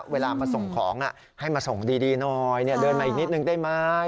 เวลามาส่งของให้มาส่งดีหน่อยเดินมาอีกนิดนึงได้ไหม